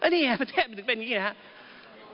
นี่แหละประเทศเป็นอย่างนี้นะครับ